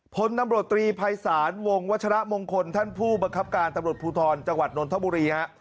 พลตำรวจตรีภัยศาลวงวัชระมงคลท่านผู้บังคับการตำรวจภูทรจังหวัดนนทบุรีฮะ